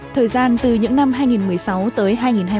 thời gian từ những năm hai nghìn một mươi sáu tới hai nghìn hai mươi